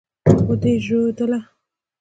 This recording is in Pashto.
ويې ژدويله.